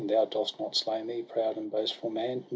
Thou dost not slay me, proud and boastful man!